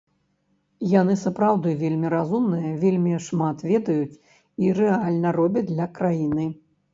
Яны сапраўды вельмі разумныя, вельмі шмат ведаюць і рэальна робяць для краіны.